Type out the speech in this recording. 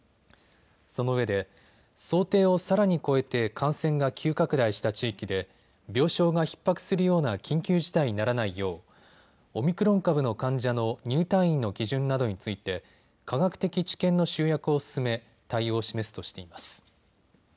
そのうえで、想定をさらに超えて感染が急拡大した地域で病床がひっ迫するような緊急事態にならないようオミクロン株の患者の入退院の基準などについて科学的知見の集約を進め対応を示すとしています。